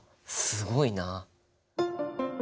すごいな。